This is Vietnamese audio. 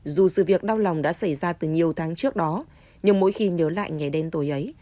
dù sự việc đau lòng đã xảy ra từ nhiều tháng trước đó nhưng mỗi khi nhớ lại ngày đêm tối ấy